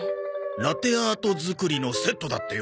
ラテアート作りのセットだってよ。